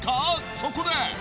そこで。